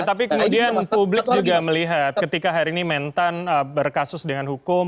tapi kemudian publik juga melihat ketika hari ini mentan berkasus dengan hukum